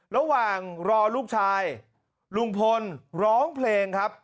ระหว่างรอลูกชายลุงพลร้องเพลงครับ